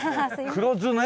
黒酢ね。